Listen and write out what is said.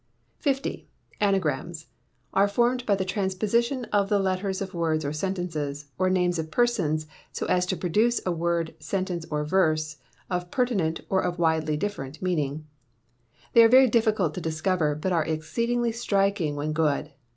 50. Anagrams are formed by the transposition of the letters of words or sentences, or names of persons, so as to produce a word, sentence, or verse, of pertinent or of widely different meaning. They are very difficult to discover, but are exceedingly striking when good.